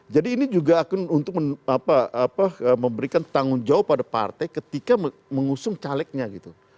jadi ini juga akan untuk memberikan tanggung jawab pada partai ketika mengusung calegnya gitu